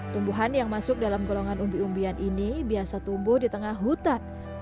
tumbuhan yang masuk dalam golongan umbi umbian ini biasa tumbuh di tengah hutan